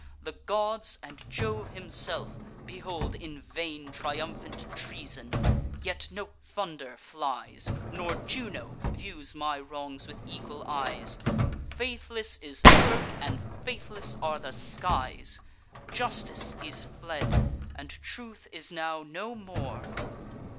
The gods, and Jove himself, behold in vain Triumphant treason; yet no thunder flies, Nor Juno views my wrongs with equal eyes; Faithless is earth, and faithless are the skies! Justice is fled, and Truth is now no more!